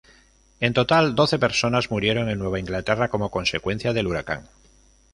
En total, doce personas murieron en Nueva Inglaterra como consecuencia del huracán.